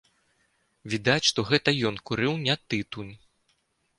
Відаць, што гэта ён курыў не тытунь.